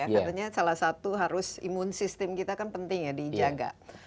katanya salah satu harus imun sistem kita kan penting ya dijaga